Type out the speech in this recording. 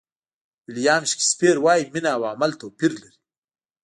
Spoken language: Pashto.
ویلیام شکسپیر وایي مینه او عمل توپیر لري.